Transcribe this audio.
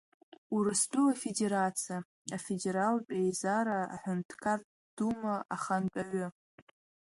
Урыстәыла Афедерациа афедералтә Еизара Аҳәынҭқарратә Дума Ахантәаҩы…